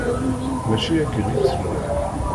Mačči akken i tt-nwan.